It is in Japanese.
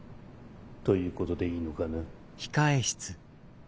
ということでいいのかな？